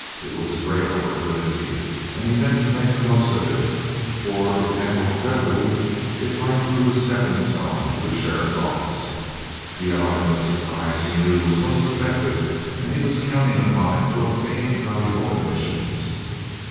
It was a great opportunity and he meant to make the most of it, for if handled creditably it might prove a stepping stone to the sheriff's office. The element of surprise he knew was most effective and he was counting upon it to obtain valuable admissions.